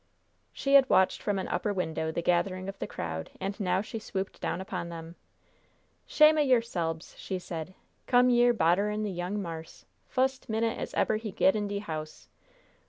She had watched from an upper window the gathering of the crowd, and now she swooped down upon them. "Shame o' yerselbes!" she said. "Come yere bodderin' the young marse fust minute as eber he get in de house!